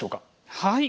はい。